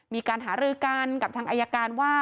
มีการหารือกันกับทางอายการว่า